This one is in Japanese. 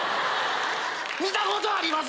見たことあります？